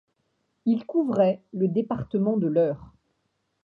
Il couvrait le département de l'Eure.